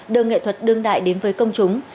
đường nghệ thuật đương đại đến với công chúng